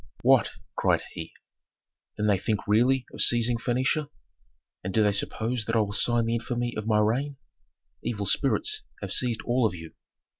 "What?" cried he. "Then they think really of seizing Phœnicia! And do they suppose that I will sign the infamy of my reign? Evil spirits have seized all of you!"